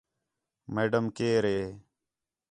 میڈم کیئر ہے